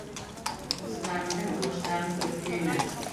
— Уҡыусыларымдың уңыштарын күреп һөйөнәм.